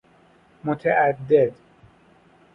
متعدد